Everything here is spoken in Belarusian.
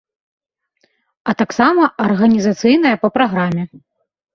А таксама арганізацыйныя па праграме.